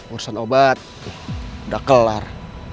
urusan obat udah kelar